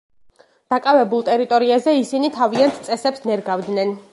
დაკავებულ ტერიტორიაზე ისინი თავიანთ წესებს ნერგავდნენ.